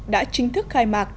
đã chính thức khai mạc